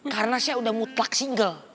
karena saya udah mutlak single